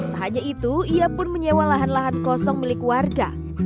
tak hanya itu ia pun menyewa lahan lahan kosong milik warga